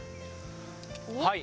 はい！